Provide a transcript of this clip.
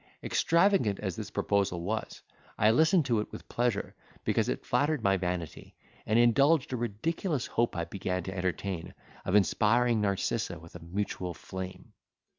Extravagant as this proposal was, I listened to it with pleasure, because it flattered my vanity, and indulged a ridiculous hope I began to entertain of inspiring Narcissa with a mutual flame.